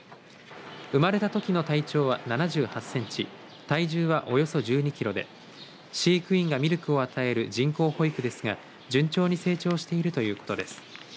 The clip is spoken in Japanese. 生まれたときの体長は７８センチ体重はおよそ１２キロで飼育員がミルクを与える人工保育ですが順調に成長しているということです。